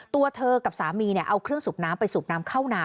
ตัวเธอกับสามีเอาเครื่องสูบน้ำไปสูบน้ำเข้านา